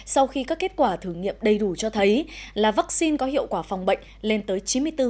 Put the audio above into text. sau khi các kết quả thử nghiệm đầy đủ cho thấy là vaccine có hiệu quả phòng bệnh lên tới chín mươi bốn